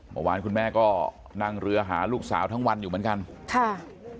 เมื่อวานคุณแม่ก็นั่งเรือหาลูกสาวทั้งวันอยู่เหมือนกันค่ะ